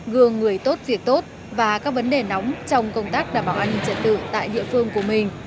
gương người tốt việc tốt và các vấn đề nóng trong công tác đảm bảo an ninh trật tự tại địa phương của mình